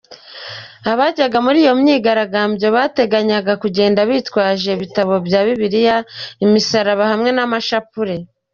Abajyaga muri iyo myigaragambyo bateganyaga kugenda bitwaje ibitabo bya Bibiriya, imisaraba hamwe n’amashapure.